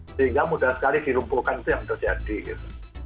sehingga mudah sekali dilumpulkan itu yang terjadi gitu